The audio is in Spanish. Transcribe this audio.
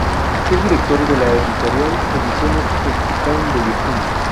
Es Director de la editorial Ediciones el Tucán de Virginia.